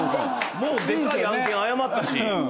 もうでかい案件謝ったし。